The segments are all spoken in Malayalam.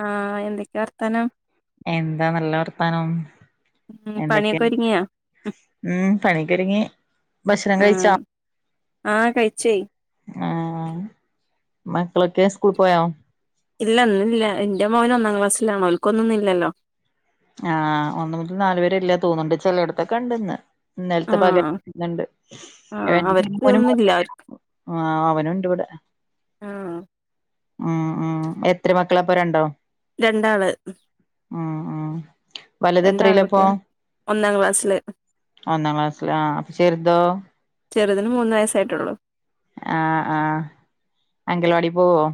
ആഹ് എന്തൊക്കെയാ വർത്താനം എന്താ നല്ല വർത്താനം ഉം എന്തൊക്കെയ പണിയൊക്കെ ഒരുങ്ങിയാ ഉം പണിയൊക്കൊരുങ്ങി ഭക്ഷണം കഴിച്ചാ ആഹ് ആഹ് കഴിച്ചേ ആഹ് മക്കളൊക്കെ സ്കൂൾ പോയോ ഇല്ല ഇന്നില്ല എന്റെ മോന് ഒന്നാം ക്ലാസ്സിലാണോ ഓല്ക്ക് ഒന്നുംന്ന് ഇല്ലല്ലോ ആഹ് ഒന്ന് മുതൽ നാലു വരെല്ലാ തോന്നുന്നുണ്ട് ചെലയിടത്തൊക്കെ ഇണ്ടിന്ന് ഇന്നലെത്തെ ആഹ് പകരംന്നുണ്ട് ആഹ് അവർക്ക് ഒന്നുല്ല അവർക്ക് ആഹ് അവനുണ്ട് ഇവിടെ ആഹ് ഉം ഉം എത്ര മക്കളാ പ്പരണ്ടോ രണ്ടാള് ഉം ഉം വലുത് എത്രയിലാ അപ്പോ രണ്ടാൺകുട്ടികള് ഒന്നാം ക്ലാസ്സില് ഒന്നാം ക്ലാസ്സില് ആ അപ്പൊ ചെറുതോ ചെറുതിന് മൂന്ന് വയസ്സായിട്ടുള്ളു ആഹ് ആഹ് അങ്കൽവാടി പോവോ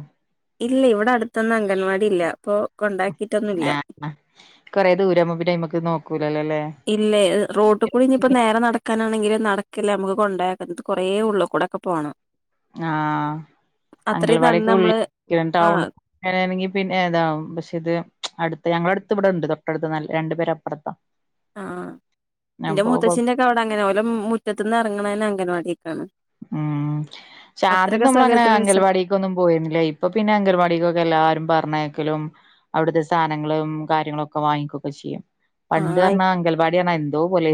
ഇല്ല ഇവിടെ അടുത്തൊന്നും അംഗൻവാടി ഇല്ല അപ്പൊ കൊണ്ടാക്കിയിട്ടൊന്നുല്ല ആഹ് കൊറേ ദൂരാവുമ്പോ പിന്നെ അയ്മക്ക് നോക്കൂലല്ലോ ല്ലേ ഇല്ലേ റോട്ട് കൂടി ഇനിയിപ്പോ നേരെ നടക്ക് നടക്കാനാണെങ്കിൽ നടക്കില്ല നമുക്ക് കൊണ്ടാക്കാം ഇത് കുറേ ഉള്ളിൽ കൂടൊക്കെ പോണം ആഹ് അത്രയും നടന്ന് അംഗൾവാടിക്കെ നമ്മള് ഉള്ളിൽ ആഹ് ടൗണങ്ങനെ എറങ്ങി പിന്നെ എതും പക്ഷെ ഇത് അടുത്ത് ഞങ്ങളടുത്ത് ഇവിടെ ഉണ്ട് തൊട്ടടുത്ത് നല്ല രണ്ട് പെര അപ്പുറത്താ ആഹ് ആ എന്റെ അപ്പൊ കൊ മുത്തച്ചിന്റെക്കെ അവിടെ അങ്ങനെ ഓല മുറ്റത്തു നിന്ന് ഇറങ്ങണന്നെ അംഗൻവാടി ഉം പക്ഷെ ആദ്യം അത്രയൊക്കെ നമ്മള അങ്ങനെ സ്ഥലത്തിന് വിസ അങ്കൽവാടിക്ക്ന്നും പോയിരുന്നില്ല ഇപ്പൊ പിന്നെ അംഗൽവാടിക്കൊക്കെ എല്ലാരും പറഞ്ഞേക്കലും അവിടുത്തെ സാധനങ്ങളും കാര്യങ്ങളുംക്കെ വാങ്ങിക്കൊക്കെ ചെയ്യും പണ്ട് ആഹ് പറഞ്ഞാ അംഗൽവാടി പറഞ്ഞാ എന്തോ പോലെ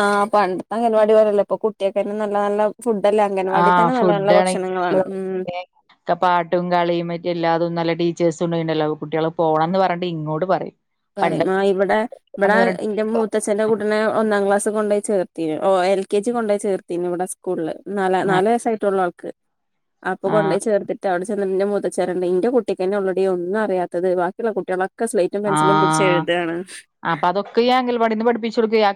ആഹ് പണ്ടത്തെ അംഗൻവാടി പോലല്ല ഇപ്പൊ കുട്ടികൾക്കന്നെ നല്ല നല്ല ഫുഡ്ല്ലേ അംഗൻവാടി തന്നെ നല്ല നല്ല ഭക്ഷണങ്ങളാണ് ഉം ക്കെ പാട്ടും കളിയുംറ്റി എല്ലാതും നല്ല ടീച്ചേഴ്സും ഒന്നും ഉണ്ടല്ലോ കുട്ട്യൾ പോകണം എന്ന് പറഞ്ഞിണ്ട് ഇങ്ങോട്ട് പറയും ആ പണ്ടൊക്കെ ഇവിടെ ഇവിടെ പോണംന്ന് ഇന്റെ പറഞ്ഞിട്ട് മൂത്തച്ഛന്റെ കൂട്ടിനെ ഒന്നാം ക്ലാസ് കൊണ്ടോയി ചേർന് ഓ എൽ കെ ജി കൊണ്ട് പോയി ചേർത്തന് ഇവിടെ സ്കൂളില് ന ആ നാല് വയസായിട്ടുള്ള ആൾക്ക് അപ്പൊ ആ കൊണ്ട് പോയി ചേർത്തിട്ട് അവിടെ ന്റെ മുത്തഛൻ. പറയ നിന്റെകുട്ടിക്ക് തന്നെ ഉള്ളടി ഒന്നും അറിയാത്തത് ബാക്കിയുള്ള കുട്ടികളൊക്കെ സ്ലേറ്റു പെൻസിലും ആ പിടിച്ച് എഴുതാണ് അപ്പൊ അതൊക്കെ ഈ അങ്ങന വാട്ടീന് പടിപ്പിച്ച് കൊടുക്കയ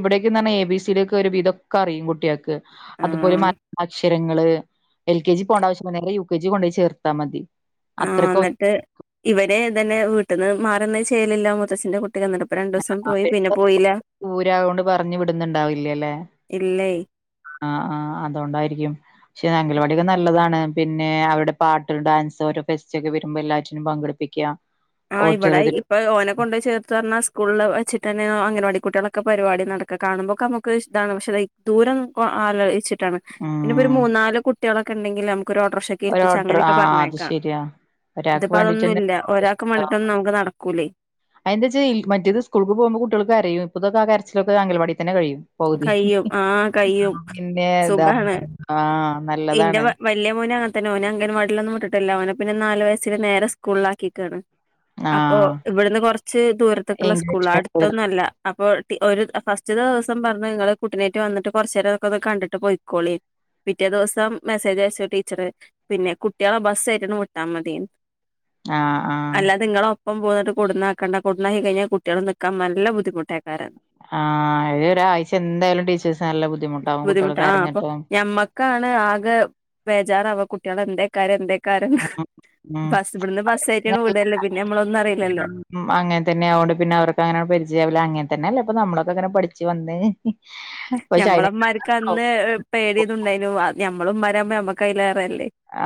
ഇവിടക്കന്ന് പറഞ്ഞാൽ എ ബി സി ഡി ഒക്കെ ഒരു വിധൊക്കെ അറിയും കുട്ട്യൾക്ക് അതുപോലെ ആഹ് വിവരങ്ങള് എൽ കെ ജി പോവണ. ആവശ്യമില്ല നേരെ യു കെ ജി കൊണ്ട്പോോയി ചേർത്താൽ മതി ആ അത്രയ്ക്ക് എന്നിട്ട് ഇവരെ തന്നെ വീട്ടിൽന്ന് മാറുന്നത് ചെയ്യലില്ല മുത്തച്ഛിന്റെ കുട്ട തികന്നിടുപ്പ രണ്ടു ദിവസം പോയി പിന്നെ പോയില്ല ദൂരായോണ്ട് പറഞ്ഞു വിടുന്നുണ്ടാവില്ലല്ലേ ഇല്ലേ ആ ആഹ് അതുകൊണ്ടായിരിക്കും പക്ഷെ അങ്കൽവാടിയക്കെ നല്ലതാണ് പിന്നെ ഓരോ ഫെസ്റ്റ് ഒക്കെ വരുമ്പോ എല്ലാറ്റിനും പങ്കെടുപ്പിക്കുക ആ ഇവിടെ ഓഡിറ്റോറിയത്തിൽ ഇപ്പൊ. ഓനെ കൊണ്ട് ചേർത്ത് പറഞ്ഞാ സ്കൂളില് വ തന്നെ അംഗൻവാടി കുട്ടികളൊക്കെ പരിപാടി നടക്കെ കാണുമ്പോൊക്കെ നമുക്ക് ഇതാണ് പക്ഷെ അ ദൂരം ആലോചിട്ട് പിന്ന ഇപ്പോ ഒരു ഉം മൂന്ന് നാല് കുട്ടികളൊക്കെ ഉണ്ടെങ്കിൽ ഓഡ്രഷ ഒക്കെ ഒരു ഏൽപ്പിച്ചു ഓട്ടർ ആ അങ്ങനെയൊക്കെ അത് പറഞ്ഞേക്കാം ശരിയാ ഇതിപ്പോ അതൊന്നും ഇല്ല ഒരാ ആ അതെ. ന്തന് വച്ച മറ്റേത് സ്കൂൾക്ക് പോകുമ്പോ കുട്ടികൾക്ക് കര. യും ഇപ്പതൊക്കെ ആ കരച്ചിലക്ക് അംഗങ്കവാടി തന്നെ കഴിയും പകുതി കയ്യും ആഹ് കയ്യും പിന്നെതാ ആഹ് എന്റെ നല്ലതാണ് വല്ല്യ മോന് അ അവന അങ്ങൻവാടിിലൊന്നും വിട്ടില്ല അവനെ പിന്നെ നാല വയസ്സിൽ നേരെ സ്കൂളിലാക്കിക്കാണ് അപ്പൊ ആഹ് ഇവിടുന്ന് കൊറച്ച് ദൂരത്തക്കുള്ള സ്കൂള ഇംഗ്ലീഷ് മീഡിയത്തില് അടുത്തൊന്നും അല്ല അപ്പൊ ഒരു ഫസ്റ്റ് ദിവസം പറഞ്ഞ് നിങ്ങള് കുട്ടികളുമായി വന്നിട്ട് കുറച്ച് നേരം ഒക്ക കണ്ടിട്ട് പോയ്ക്കോളി പിറ്റേ ദിവസം മെസ്സേജ് അയച്ചു ടീച്ചറ് പിന്നെ കുട്ടികളെ ബസ് ആായിട്ടു വിട്ടാ മതി ആഹ ആഹ ഇപ്പ പോകന്ന കൊണ്ടാക്കാൻ നിക്കണ്ട കൊണ്ട് പോയി കഴിഞാ കുട്ടികൾ നിൽക്കൻ നല്ല ബുദ്ധിമുട്ടായിരിക്കും ആഹ ഇത് ഒരാഴ്ച എന്തായാലും ടീച്ചേഴ്സ് നല്ല ബുദ്ധിമുട്ടാാവും കുട്ടികൾക്ക് കരഞ്ഞിപ്പം നമ്മക്കാണ് ആകെ ബേജാറാവ കുട്ടികൾ എന്തൊക്കയാക്കു എന്തൊക്കയാക്കുമെന്ന് ഉ നമ്മളൊന്നും അറിയില്ലല്ലോ അങ്ങനെ തന്നെ ആവോണ്ട് പിന്നെ അവർക്ക് അങ്ങനെ പരിചയംമില്ല അങ്ങനെ തന്നെയല്ലേ അപ്പ നമ്മൊക്കെ എങനെ പടിച് വന്നെ ഞമ്മളമാർക്ക് അന്ന് പേടിയുന്നുണ്ടായിു ഞമ്മളന്മാര നമ്മക്ക അതില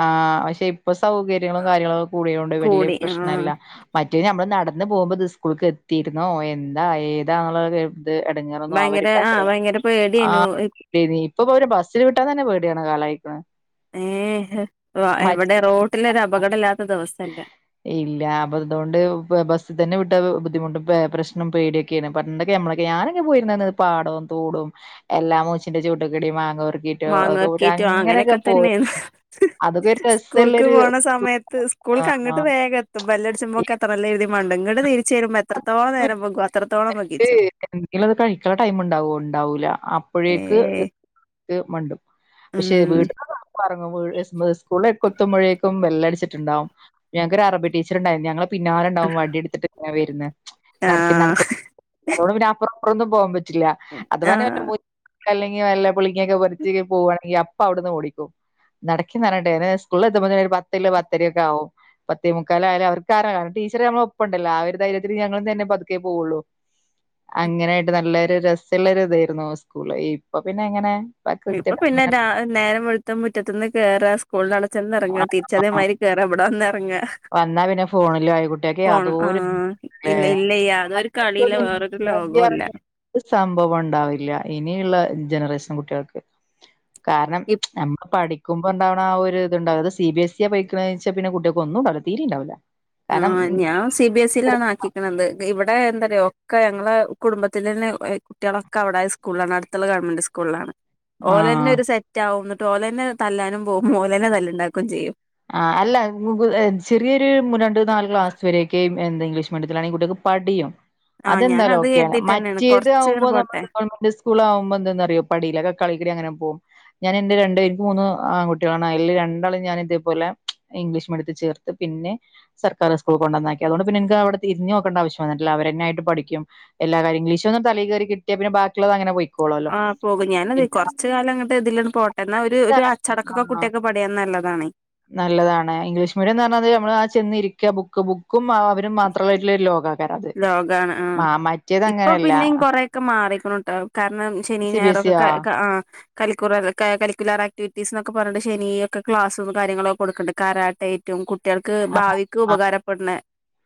ആ പക്ഷെ ഇപ്പൊ സൗകര്യങ്ങളും കാര്യങ്ങളുംക്കെ കൂടിയത കൊണ്ട് വലിയ കൂടി ആഹ് പ്രശ്നമല്ല മറ്റേ നമ്മള് നടന്ന പോകുമ്പോ ഇത് സ്കൂളക്ക് എത്തിയിരുന്നോ എന്താ ഏതാന്നുള്ള എടങ്ങറ ഭയങ്കര അവർക്ക് അ ആഹ് ഭയങ്കര ആ പേടിയേനു ഇ അവര് ബസിൽ വിട്ട തന്നെ പേടിയ കാലായിക്കണ ഏ എവിടെ റോഡിലൊരു അപകട ഇല്ലാത്ത ദിവസല്ല ഇല്ല അപ്പൊ അതുകൊണ്ട് ബസ്സിൽ തന്നെ വിട്ട ബുദ്ധിമുട്ടും പ്രശ്നം പേടിയൊക്കെയാണ് പന്തൊക്കെ നമ്മളൊക്കെ ഞാനൊക്കെ പോയിരുന്ന പാടവും തടവും എല്ലാ മൂച്ചിന്റെ ചൂട്ടക്കെടി മാങ്ങ ഉപപെറുക്കിയിട്ടോ ഒക്കെ കട്ടോ മാങ്ങാർക്കേറ്റും അങ്ങനെയൊക്കെ പോയി തന്നെയാണ് അതൊക്കെ ഒരു സ്കൂൾക്ക് രസല്ലൊരു പോണ സമയത്ത്. സ്കൂൾക്ക് ആഹ് അങ്ങോട്ട് ആഹ് വേഗം എത്തും വല് അടിക്കുംപോക്കെ എത്തണല്ലേ രുതി മണ്ടങ്ങട് തിരിച്ചു വരുമ്പോ എത്രത്തോളം ഇപ്പൊ നേരം വ അത്രത്തോളം ഇത് വകിച്ചു [inaudible] എന്തെങ്കിലും അത് കഴിക്കാനുള്ള ടൈംഉണ്ടാവുമോ ഉണ്ടാവൂല അപ്പോഴേക്ക് ഏഹ് റ്റി [inaudible] ഉം പക്ഷെ വീട്ടിൽ നിന്നിറങ്ങുപോഴ് സ്കൂള് എത്തുമ്പഴേക്കും ബെല്ല് അടിച്ചിട്ടുണ്ടാവും ഞങ്ങക് ഒരു അറബി ടീച്ചർ ഉണ്ടായിരുന്നു ഞങ്ങളെ പിന്നെവരുണ്ടാവും വടിയ എടുത്തിട്ട് വരുന്നെ അത്കൊണ്ട് ആഹ് അപ്പുറത്തും ഇപ്പുറത്തും പോകാൻ പറ്റില്ല ചില്ല അഥവാ ആഹ് [unintelligible] അല്ലെങ്കിൽ വല്ല പുളിങ്ങൊക്കെ പറിച്ച് പോവാണെങ്കി അപ്പ അവ്ട്ന്ന് ഓടിക്കും നടക്കിന്നർഞ്ഞിട്ടെ ഏതായാ സ്കൂള്ൽ എത്തുമ്പോത്തിനൊരു പത്ത്ള്ളെ പത്തരൊക്കാവും പത്തേ മുക്കാലായാലവർക്ക് [unintelligible] ടീച്ചർ ഞമ്മളൊപ്പണ്ടല്ലോ ആ ഒരു ധൈര്യത്തില് ഞങ്ങളും തന്നെ പത്ക്കേ പോവൊള്ളു അങ്ങനായിട്ട് നല്ലൊരു രസള്ളൊരുതേർന്നു സ്കൂള് ഇപ്പൊ പിന്നെ ങ്ങനെ ഇപ്പൊ പിന്നെ താ നേരം വെൾത്താ മുറ്റത്ത്ന്ന് കേറാ സ്കൂൾന്നവ്ടെച്ചെന്ന് ഇറങ്ങ ആഹ് തിര്ച്ചതേമാതിരി കേറാ വ്ടെന്ന ങ്ങ വന്നാ പിന്നെ ഫോണിലും ആയി കുട്ടിയാക്ക് പോണം യാതോരു ആഹ് ല്ലേ ഇല്ല ഇല്ല യ്യ അതൊരു കളില റൊരു ലോകവല്ലേ സംഭവം ഉണ്ടാവില്ല ഇനിയ്ള്ള ജനറേഷൻ കുട്ട്യാൾക്ക് കാരണം ഇപ് നമ്മൾ പഠിക്കുമ്പോണ്ടാവ ആ ഒരു ഇതുണ്ടാവും ത് സി ബി എസ്സ്യ പൊയ്‌ക്ക്ണേച്ച പിന്നെ കുട്ട്യാക്കൊന്നും ണ്ടാവൂല തീരി ണ്ടാവൂല. ആ ഞാൻ സി ബിഎസ് ഇലാണ് ആക്കിക്ക്ണത് ഇവിടെ എന്താ റ്യോ ഒക്കെ ഞങ്ങളെ കുടുംബത്തിലെന്നെ കുട്ട്യാളൊക്കെ വടെ സ്കൂളിലാണ് അടുത്ത്ള്ള ഗവൺമെൻറ് സ്കൂളിലാണ് ആഹ് ഓലെന്നൊരു സെറ്റാവും ന്നട്ട് ഓലെന്നെ തല്ലാനും പോവും ഓലെന്നെ തല്ല്ണ്ടാക്കേം ചെയ്യും. ആ അല്ല ഗൂഗ്ൽ അ ചെറിയൊരു രണ്ട് നാല് ക്ലാസ് വരെക്കെയും എന്ത ഇംഗ്ലീഷ്മീഡിയത്തിലാണെ കുട്ട്യാക്ക് പഠിയും ആഹ് അതെന്തയാലും ഞാനത് ഓക്കെയാണ് കരുതിട്ടന്നെയാണ് മറ്റേത് കൊറച്ച് ആവുമ്പോ ഇങ്ങനെ പോട്ടെ നമ്മക്ക് ഗവൺമെന്റ് സ്കൂൾലാവുമ്പോ ന്താന്നറ്യോ പടീലാ കളി ഡിഗ്രി അങ്ങനെ പോവും ഞാൻ എന്റെ രണ്ട് ന്ക്ക് മൂന്നും ആൺ കുട്ടികളാണ് അയ്ൽ രണ്ടാള് ഞാന് തേപോലെ ഇംഗ്ലീഷ്മീഡ്യത്തി ചേർത്ത പിന്നെ സർക്കാർ സ്കൂൾ കൊണ്ടന്നാക്കി അതോണ്ട്പിന്നെ ഇന്കങ്ങട്ട് തിര്ഞ്ഞോക്കേണ്ടാവശ്യം വന്ന്ട്ടില്ല തന്നായിട്ട് പഠിക്കും എല്ലാരിഗ്ലീഷും തലേകേറി കിട്ട്യാ പിന്നെ ബാക്കിള്ളതങ്ങനെ പോയി ആ പോകും ഞാനതേ കൊർച് കാലം ങ്ങട്ട് തിലന്ന് പോട്ടെന്നാ ഒരു ഒരു അച്ചടക്കൊക്കെ ആഹ് കുട്ട്യാക്ക് പടിയന്നല്ലേ താണ് നല്ലതാണ് ഇംഗ്ലീഷ് മീഡിയം ന്ന് പറഞ്ഞാ ത് നമ്മളാ ചെന്നിരിക്ക ബുക്ക് ബുക്ക് ക്കും അവരും മാത്രള്ളതായിട്ട്ള്ളൊരു ലോകാ ലോകാണ് ആഹ് ഇപ്പ അങ്ങനെയല്ല പിന്നേം കൊറെക്കെ മാറി ട്ടോ കാരണം ശനി സി ബി എസ് ഞായറൊക്കെ ഇ ക ക ആ കരിക്കുളർ കരിക്കുലർ ആക്ടിവിറ്റീസ് ന്നൊക്കെ പറഞ്ഞിട്ട് ശനി ഒക്കെ ക്ലാസും കാര്യങ്ങളൊക്കെ കൊട്ക്ക്ണ്ട് കരാട്ട യ്റ്റും കു കുട്ട്യാൾക്ക് ഭാവിക്ക് ഉപകാരപ്പെട്ണെ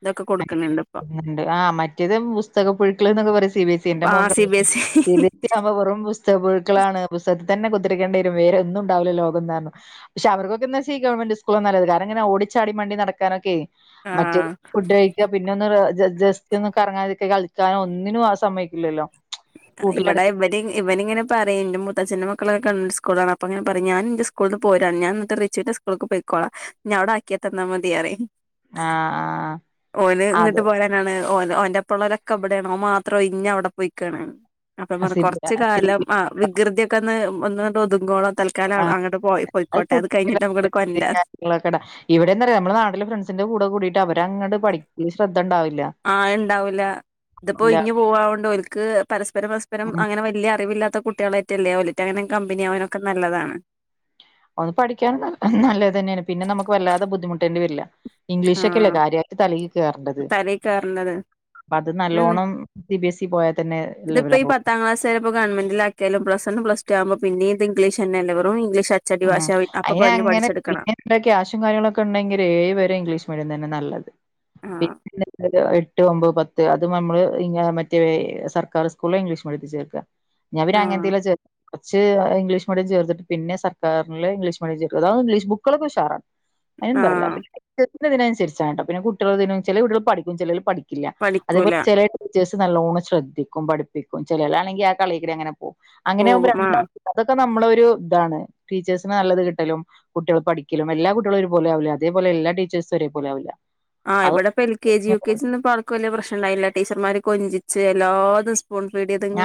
ഇതൊക്കെ കൊടുക്ക്ണ് ണ്ട് പ്പൊ ണ്ട് ആ മറ്റേത് പുസ്തക പുഴുക്കൾ ന്നൊക്കെ പറയും സി ബി എസ് ന്റെ എന്റെ ആ മോൻ C B S C B S E ആവുമ്പോ വെറും പുസ്തക പുഴുക്കളാണ് പുസ്തകത് തന്നെ കുത്തർക്കണ്ടിവരും വേരൊന്നുണ്ടാവൂലലോകംന്നർഞ്ഞു ക്ഷേ അവർക്കെ ന്നേച്ച ഈ ഗവൺമന്റ് സ്കൂൾ കാരണങ്ങനെ ഓട് ഓടിച്ചാടി മണ്ടി നടക്കാനൊക്കെ ആ മറ്റേ ഫുഡ് കഴിക്ക പിന്നൊന്ന് ജ ജസ്റ്റൊന്ന് കറങ്ങാതൊക്കെ കളി ചായ ഒന്നിനു ആ സമയ്ക്കില്ലല്ലോ താ ഇവടെ ഇവടിം ഇവനിങ്ങനെ പറയ്ണ്ട് മുത്തച്ഛന്റെ മക്കളൊക്കെ കണ്ട് സ് കൂളാണ് അപ്പൊ ഞാൻ പറിം ഞാൻ ന്റെ സ്കൂൾന്ന് പോരാ ഞാ ന്നിട്ട് റിച്ചൂന്റെ സ്കൂൾക്ക് പെയ്‌ക്കോളാ ന്നെവ്ടാക്കിത്തന്നാ മതിന്നറിം ആഹ് ഓന് ങ്ങ്ട്ട് ആഹ് പോരാനാണ് ഓൻ ഓന്റൊപ്പള്ളോലോക്കെ ബടേണ് ഓമാത്രം ഒയ്ഞ്ഞവടെ പോയ്ക്കാണ് അപ്പൊ ഞ അത് പർഞ് സി ബി കൊർച്ച് കാലം ആ വികൃതിയൊക്കൊന്ന് ഒന്ന് ഒതുങ്ങോളം തൽക്കാലം ആഹ് അങ്ങട്ട് പോയി പൊയ്‌ക്കോട്ടെ അത് കയിഞ്ഞിട്ട് മ്മക്ക്ണ്ട് കൊണ്ട്രാ നാട്ടിലെ ഫ്രണ്ട്സിന്റെ കൂടെ കൂടിയിട്ട് അവരങ്ങട്ട് പഠിപ്പിൽ ശ്ര ആഹ്ണ്ടാവൂല ത്പ്പോ ഇല്ല ഒയ്ഞ്ഞ് പോവാ വോണ്ട് ഓൽക്ക് പരസ് പര പരസ്പരം ഉം അങ്ങനെ വല്ല്യ അറിവില്ലാത്ത കുട്ട്യേളേറ്റല്ലേ ഓല്ക്കയ്ന് കമ്പനിയാവാനൊക്കെ നല്ലതാണ് ഒന്ന് പഠിക്കാനും നല്ലതെന്നേണ് പിന്നെ നമുക്ക് വല്ലാതെ ബുദ്ധിമുട്ടേണ്ടി വരില്ല ആ ഇംഗ്ലീഷൊക്കെല്ലേ കാര്യായിട്ട് തലയിൽ കേറണ്ടത് തലേ കേറണ്ടത് പ്പത് ന്നെ നല്ലോണം സി ബി എസ് ഇ പോയാ തന്നെ ഇതിപ്പോ ഈ ലെവലാവു ണ്ണും പ്ലസ് ടു ആവുമ്പോ പിന്നീത് ഇംഗ്ലീഷെന്നല്ലെ വെറും ഇംഗ്ലീഷ് അച്ചടി ഉം ഭാഷ അപ്പൊ പഞ്ഞ് അയ്നങ്ങനെ പഠിച്ചെടുക്കണം പിന്നെത്ര ക്യാഷും കാര്യങ്ങളൊക്കെ ണ്ടെങ്കില് ഏഴ് വരെ ഇംഗ്ലീഷ് പോയെന്നെന്നെ നല്ലത് ആഹ് പിന്നെ [unintelligible] എട്ട് ഒമ്പത് പത്ത് അതും നമ്മള് പിന്നെ മറ്റ് വേ സർക്കാർ സ്കൂളില് ഇംഗ്ലീഷ് മീഡിയത്തിൽ ചേർക്ക ഞാൻ പിന്നെ ആഹ് അങ്ങൻതീല ചേ ച്ച് ഇംഗ്ലീഷ് മീഡിയം ചേർത്തിട്ട് പിന്നെ സർ ക്കാറില് ഇംഗ്ലീഷ് മീഡിയം ചേർക്ക അതും ഇംഗ്ലീഷ് ബുക്കോളൊക്കെ ഉഷാറാണ് അതിനൊന്നും പറില്ല ആഹ് തിനനുസരിച്ചാട്ടോ പിന്നെ കുട്ടികളതിനും ചെല കുട്ട്യാൾ പഠിക്കും ചേലോൽ പഠിക്കില്ല പഠിക്കൂല അതേപലെ ചെലെ ടീച്ചേർസ് നല്ലോണം ശ്രദ്ധിക്കും പഠിപ്പിക്കും ചേലോലാണെങ്കി ആ കളീ കൂടെങ്ങനെ പോ വും അങ്ങനെ ആകുമ്പോ പോകും ആഹ് രണ്ടാക്കും അതൊക്കെ നമ്മളൊരു താണ് ടീചേർസിന് നല്ലത് കിട്ടലും കുട്ടികള് പഠിക്കലും എല്ലാ കുട്ടികളും ഒരു പോലെയാവില്ല അതേപോലെ എല്ലാ ടീച്ചേഴ്സും ഒരേ പോലെയാവില്ല ആ ഇവിടെപ്പൊ L K G U K ജിന്ന ആൾക്ക് വല്യ പ്രശ്നണ്ടായില്ല ടീച്ചർമാര് കൊഞ്ചിച്ച് എല്ലാ ദിവസ പോൺ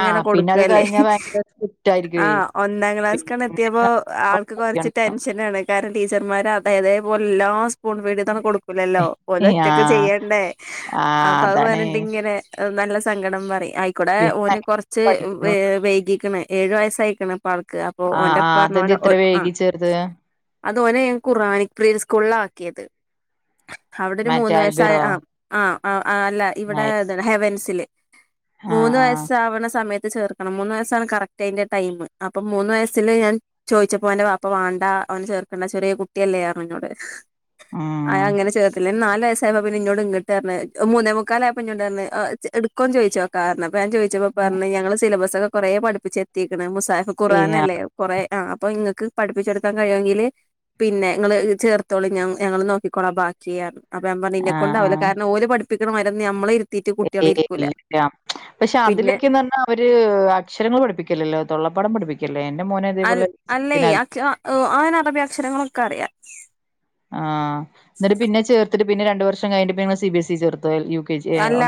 ആ പിന്നെ അത് കൊടുക്കല്ലേ കഴിഞ്ഞാൽ ഭയങ്കര സ്ട്രിക്റ്റ് ആ ആയിരിക്കുവേ ഒന്നാം പിന്നെ ക്ലാസ്ക്കണ്ടെത്തിയപ്പോ ആൾക്ക് കൊർച്ച് ടെൻഷനാണ്. കാരണം ടീച്ചർമാർ അതേ അതേപോലെല്ലാ സ്പൂൺ [unintelligible] കൊടു ആ ഓലൊറ്റൊക്ക് ചെയ്യണ്ടേ ആ അപ്പ വ് അതാണ് പറഞ്ഞിട്ട് ഇങ്ങനെ നല്ല സങ്കടം പറിം. അയ്ക്കുടേ പിന്നെ ഓന് കൊർച്ച് വെ പഠിക്കണം. വൈകീക്ക്ണ് ഏഴു വയസ്സായിക്ക്ണ് ഇപ്പ ആൾക്ക് അപ്പൊ ആ ആ ഓന്റെപ്പർഞ്ഞു അതെന്താ ഓന് ഇത്ര ആഹ് വൈകി ചേർത്ത് അത് ഓനെ ഞാൻ ഖുർആനിക് പ്രീ ലുസ്കൂളിലാ ആക്കിയത്. അവിടെ ഒരു മറ്റേ മൂന്ന് വയസ്സായ അൽബിറോ ആഹ് ആഹ് അല്ല ഇവടെ എന്താണ് ഹെവൻസില് ആഹ് മൂന്ന് ആഹ് വയസ്സാവ്ണ സമയ അത് ചേർക്കണം. മൂന്ന് വയസാണ് കറക്റ്റ് അതിന്റെ ടൈം അപ്പം മൂന്ന് വയസ്സിൽ ഞാൻ ചോയിച്ചപ്പം ഓന്റെ ബാപ്പ വാണ്ടാ അവന് ചേർക്കണ്ട ചെറിയ കുട്ടിയല്ലേർഞ്ഞുന്നോട് ആ ഉം യങ്ങനെ ചേർ അങ്ങനെ നാല് വയസ്സായപ്പോ പിന്നെന്നോട് ഇങ്ങട്ട്ർഞ്, മൂന്നേ മുക്കാലായപ്പോ ഇന്നോടർഞ് ഓഹ് ഇടുക്കോന്ന് ചോയിച്ചോക്കാർഞ് അപ്പ ഞാൻ ചോയ്ച്ചപ്പോ പറഞ്ഞ് ഞങ്ങള സിലബസൊക്കെ കൊറെ പഠിപ്പിച്ച് എത്തീക്ണ്. മുസായ്ഫ് ഖുആൻ അല്ലേ കൊറേ ആഹ് അപ്പൊ ഇങ്ങക്ക് പഠിപ്പിച്ചൊടുക്കാൻ കഴിയൊങ്കില് പിന്നെ ഇങ്ങള് ചേർത്തോളി ഞ ഞങ്ങള് നോക്കിക്കോളാം ബാ ചെയ്യാ. അപ്പ ഞാൻ പറഞ്ഞ് ആഹ് ഇന്നെകൊണ്ടാവൂല ആഹ് കാരണം ഓര് പഠിപ്പിക്കണ മാതിരിയൊന്നും നമ്മളിര് [unintelligible] പക്ഷെ പിന്നെ അതിലൊക്കെന്ന് പറഞ്ഞാ അവര് അക്ഷരങ്ങൾ പഠിപ്പിക്കല്ലല്ലോ തൊള്ളാ പാഠം പഠിപ്പിക്ക അ അല്ലേ അ അവന് അറബി അക്ഷരങ്ങളൊക്കെ അറിയാം ആ എന്നിട്ട് പിന്നെ ചേർത്തിട്ട് പിന്നെ രണ്ട് വർഷം കഴിഞ്ഞിട്ട് പിന്നെ നിങ്ങൾ സി ബിസ് ഇ ചേർ അല്ല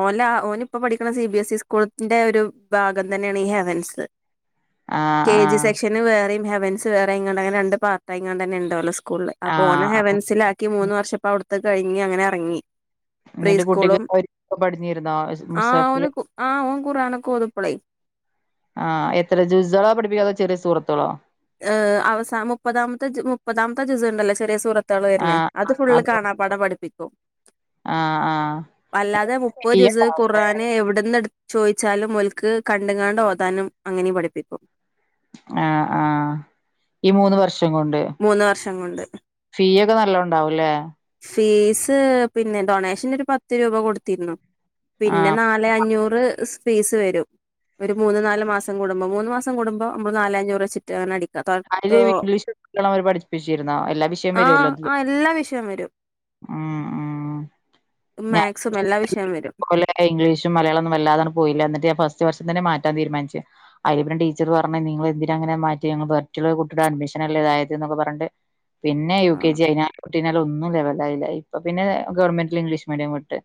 ഓന് ഓന് ഇപ്പോ പഠിക്കണ സി ബി എസ് ഇ സ്കൂളിന്റെ ഒരു ഭാഗം തന്നെ ആണ് ഇ ഹെവെൻസ് ആഹ് കെജി ആഹ് സെക്ഷൻ വേറേം ഹെവൻസ് വേറെയിങ്ങാണ്ട് രണ്ട് പാർട്ടയിങ്ങാണ്ട് ന്നെ സ്കൂ സ്കൂളിൽ അപ്പം ഓനെ ആഹ് ഹെവൻസിലാക്കി മൂന്ന് വർഷപ്പോ അവിടുത്ത് കഴിഞ്ഞ് അങ്ങനെ ഇറങ്ങി പ്രീ എന്നിട്ട് കുട്ടിക്ക് സ്കൂളും പഠിഞ്ഞിരുന്നോ ആ മുസാഫില് ഓന് ആ ഓൻ ഖുർനൊക്കെ ഓതുപ്പളെ ആഹ് എത്ര ജുസുകളോ പഠിപ്പിക്കാ അതോ ചെറിയ സൂറത്തുകളോ ഹ് അവസാ മുപ്പതാമത്തെ ജു മുപ്പതാമത്തെ ജുസ്ഹ് ഇണ്ടല്ലോ ചെറിയ സൂറത്താൾ വര്ന് ആഹ് അത് ഫുള്ള് ആഹ് ആഹ് കാണാ പാഠം പഠിപ്പിക്കും ആഹ് അല്ലാതെ മുപ്പത് ദിസം ഖുർആന് ഇവിടന്ന് ഇടു ചോയിച്ചാലും ഓൽക്ക് കണ്ട്ങ്ങാണ്ട് ഓതാനും അങ്ങനേം പഠിപ്പിക്കും ആ ആ ഈ മൂന്ന് വർഷം കൊണ്ട് മൂന്ന് വർഷം കൊണ്ട് ഫീ ഒക്കെ നല്ലോണ്ടാവുംല്ലേ ഫീസ് പിന്നെ ഡൊണേഷൻ ഒരു പത്ത് രൂപ കൊടുത്തിരുന്നു ആ പിന്നെ നാലെ അഞ്ഞൂറ് സ് ഫീസ് വരും ഒരു മൂന്ന് നാല് മാസം കൂടുമ്പോ മൂന്ന് മാസം കൂടുമ്പോ നമ്മൾ നാലെ അഞ്ഞൂറ് വച്ചിട്ട് അങ്ങന അടിക്കും അതില് ഇംഗ്ലീഷ് [unintelligible] പഠിപ്പിച്ചിരുന്നോ എല്ലാ വിഷയം ആഹ് വരോല്ലോ അതില് ആഹ് എല്ലാ വിഷയം വരും ആ ആ ഞാൻ മാക്സും എല്ലാ വിഷയം വരും ഇംഗ്ലീഷും മലയാളൊന്നും വല്ലാതട് പോയില്ല എന്നിട്ട് ഞാൻ ഫസ്റ്റ് ഫസ്റ്റ് വർഷം തന്നെ മാറ്റാൻ തീരുമാനിച്ച് അയല് പിന്നെ ടീച്ചർ പറഞ്ഞ് നിങ്ങൾ എന്തിനാ അങ്ങനെ മാറ്റിയെ ഞങ്ങൾ [unintelligible] കുട്ടിയുടെ അഡ്മിഷൻ ലെ തായത് ന്നൊക്കെ പറഞ്ഞിട്ട് പിന്നെ യു കെ ആഹ് ജി അയിനെ കുട്ടിനെ ഒന്നും ലെവലായില്ല ഇപ്പൊ പിന്നെ ഗവൺമെന്റിൽ ഇംഗ്ലീഷ് മീഡിയം വിട്ട്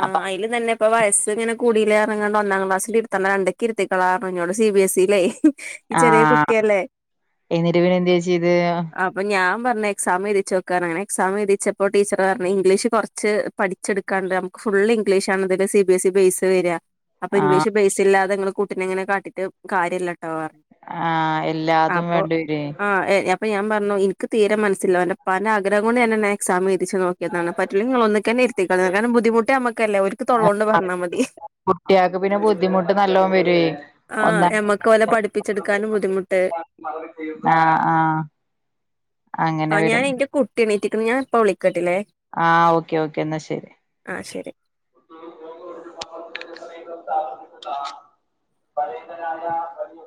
ആഹ അപ്പൊ അയില് തന്നെപ്പൊ വയസ് ഇങ്ങനെ കൂടിലേർഞ്ഞ്ങ്ങാണ്ട് ഒന്നാം ക്ലാസിൽ ഇരുത്തണ്ട രണ്ട്ക്ക് ഇരുത്തിക്കളാർഞ്ഞ് ന്നോട് സി ബിഎസ് ഇല്ലേ ഈ ആ ചെറിയ കുട്ടിയല്ലേ എന്നിട്ട് പിന്നെ എന്ത് ചെയ്ത് അപ്പൊ ഞാൻ ഞാൻ പറഞ്ഞ് എക്സാം എഴുതിച്ച് നോക്കാ അനെ എക്സാം എഴുതിച്ചപ്പോ ടീച്ചർ പറഞ്ഞ് ഇംഗ്ലീഷ് കുറച്ച് പഠിച്ചെടുക്കാണ്ട് ഫുൾ ഇംഗ്ലീഷ് ആണ്തില് C B S E base വരിക അപ്പൊ ആ ഇംഗ്ലീഷ് ബേസ് ഇല്ലാതെ കുട്ടിനിങ്ങനെ കാട്ടിട്ട് കാര്യട്ടോ പറഞ്ഞ് ആ ആ എല്ലാതും വേണ്ടി വരുവേ അപ്പ ഞാൻ പറഞ്ഞുഎനിക്ക് തീരെ മനസില്ല ഓന്റെപ്പന്റെ ആഗ്രഹം കൊണ്ട് ഞാൻ ഒന്ന് എക്സാം എഴുതിച്ച് നോക്കിയതാണ് പറ്റില്ലെങ്കി നിങ്ങൾ ഒന്നിക്ക് തന്നെ എഴുതിക്കോളി കാരണം ബുദ്ധിമുട്ട് നമ്മക്കല്ലെ അവർക്ക് തൊള്ളതോണ്ട് പറഞ്ഞാ മതി കുട്ടികക്ക് പിന്നെ ബുദ്ധിമുട്ട് നല്ലോണം വരേം ആ എമ്മക്ക് പോലെ പഠിപ്പിച്ചെടുക്കാനും ബുദ്ധിമുട്ട് ആ ആ ആ ഞാൻ എന്റെ കുട്ടി എണീത്തിരിക്കണ് ഞാൻ ഇപ്പൊ വിളിക്കട്ടില്ലേ ആ ഓക്കെ ഓക്കെ എന്നാ ശരി ആ ശരി പയതനാത